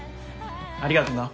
ありがとな。